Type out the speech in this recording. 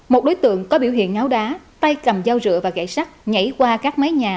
một đối tượng có biểu hiện ngáo đá tay cầm dao rượu và gãy sắt nhảy qua các mái nhà